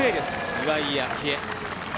岩井明愛。